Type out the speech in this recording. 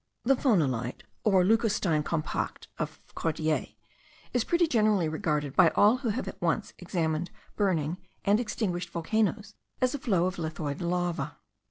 The phonolite (or leucostine compacte of Cordier) is pretty generally regarded by all who have at once examined burning and extinguished volcanoes, as a flow of lithoid lava.